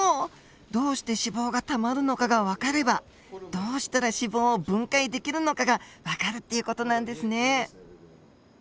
どうして脂肪がたまるのかがわかればどうしたら脂肪を分解できるのかがわかるっていう事なんですね。